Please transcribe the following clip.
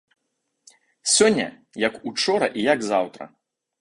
Сёння, як учора і як заўтра.